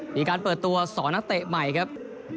มีการเปิดตัวสอนนักเตะใหม่ครับ